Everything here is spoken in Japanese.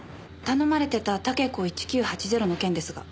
頼まれてたｔａｋｅｋｏ１９８０の件ですが。